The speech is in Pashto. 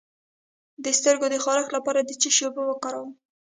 د سترګو د خارښ لپاره د څه شي اوبه وکاروم؟